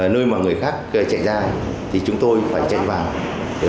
nơi mà người khác chạy ra thì chúng tôi phải chạy vào